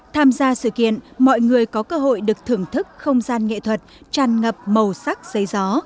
tham gia sự kiện mọi người có cơ hội được thưởng thức không gian nghệ thuật tràn ngập màu sắc giấy gió